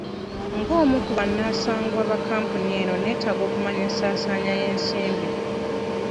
Ng'omu ku bannasangwa ba kampuni eno neetaga okumanya ensasaanya y'ensimbi.